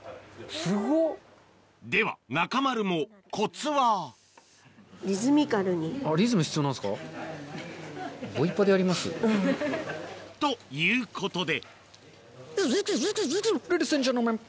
すごっ！では中丸もコツは？ということで